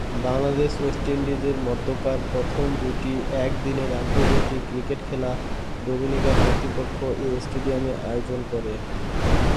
Bangladesh-West ইন্ডিজের মধ্যকার প্রথম দুইটি একদিনের আন্তর্জাতিক ক্রিকেট খেলা ডোমিনিকা কর্তৃপক্ষ এ স্টেডিয়ামে আয়োজন করে।